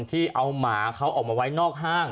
ที่เอาหมาเขาออกมาไว้นอกห้าง